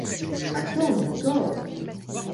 Attendre encore.